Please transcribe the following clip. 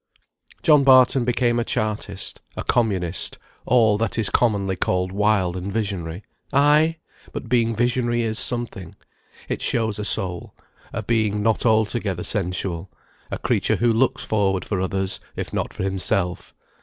John Barton became a Chartist, a Communist, all that is commonly called wild and visionary. Ay! but being visionary is something. It shows a soul, a being not altogether sensual; a creature who looks forward for others, if not for himself.